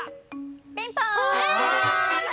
ピンポン！